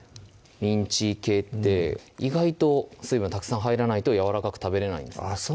ミンチ系って意外と水分がたくさん入らないとやわらかく食べれないんですあっ